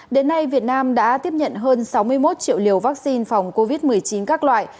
đến nay việt nam đã tiếp nhận hơn sáu mươi một triệu liều vaccine phòng covid một mươi chín các loại